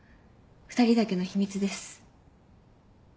２人だけの秘密です。